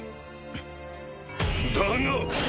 だが！